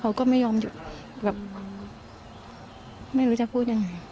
เขาก็ไม่ยอมหยุดแบบไม่รู้จะพูดยังไง